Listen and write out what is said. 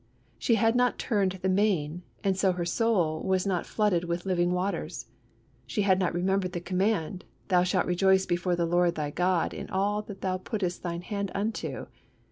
She had not turned the main, and so her soul was not flooded with living waters. She had not remembered the command: "Thou shalt rejoice before the Lord thy God in all that thou puttest thine hand unto."